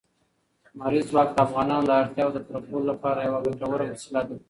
لمریز ځواک د افغانانو د اړتیاوو د پوره کولو لپاره یوه ګټوره وسیله ده.